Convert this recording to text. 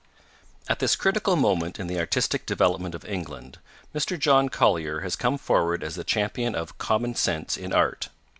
At this critical moment in the artistic development of England Mr. John Collier has come forward as the champion of common sense in art.